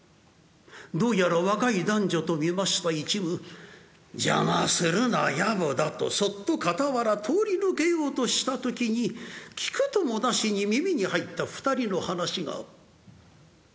どうやら若い男女と見ました一夢邪魔するのは野暮だとそっと傍ら通り抜けようとした時に聞くともなしに耳に入った２人の話が。